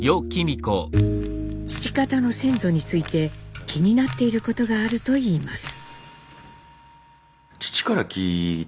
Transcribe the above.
父方の先祖について気になっていることがあると言います。